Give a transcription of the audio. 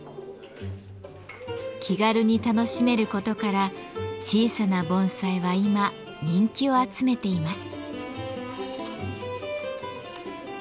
気軽に楽しめることから小さな盆栽は今人気を集めています。